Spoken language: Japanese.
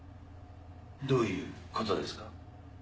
どういうことですか？